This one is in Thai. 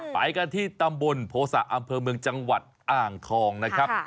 ไปกันที่ตำบลโภษะอำเภอเมืองจังหวัดอ่างทองนะครับ